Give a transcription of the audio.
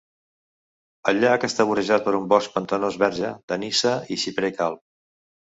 El llac està vorejat per un bosc pantanós verge de nyssa i xiprer calb.